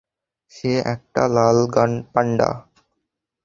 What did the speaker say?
সে একটা লাল পান্ডা!